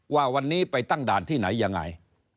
ว่าวันนี้ไปตั้งด่านที่ไหนยังไง